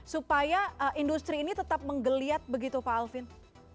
supaya industri ini tetap menggeliat begitu pak alvin